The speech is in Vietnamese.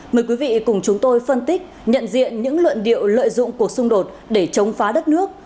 mời quý vị cùng chúng tôi phân tích nhận diện những luận điệu lợi dụng cuộc xung đột để chống phá đất nước